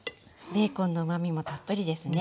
ベーコンのうまみもたっぷりですね。